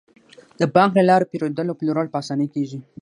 د بانک له لارې پيرودل او پلورل په اسانۍ کیږي.